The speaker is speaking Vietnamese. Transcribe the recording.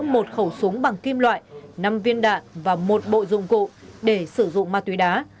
một khẩu súng bằng kim loại năm viên đạn và một bộ dụng cụ để sử dụng ma túy đá